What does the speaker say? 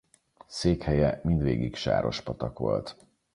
Székhelye mindvégig Sárospatak volt.